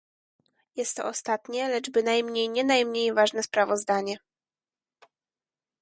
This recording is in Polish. Jest to ostatnie, lecz bynajmniej nie najmniej ważne sprawozdanie